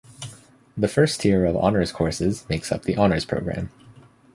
The first tier of Honors courses makes up the Honors Program.